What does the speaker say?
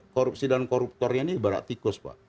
korupsi dan koruptornya ini ibarat tikus pak